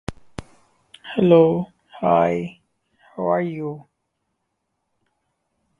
A variety of after-market security devices were introduced.